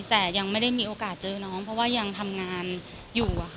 แต่ยังไม่ได้มีโอกาสเจอน้องเพราะว่ายังทำงานอยู่